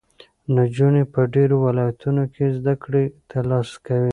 نجونې په ډېرو ولایتونو کې زده کړې ترلاسه کوي.